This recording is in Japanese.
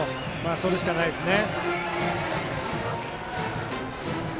それしかないですね。